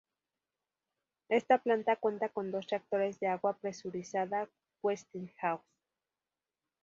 Esta planta cuenta con dos reactores de agua presurizada Westinghouse.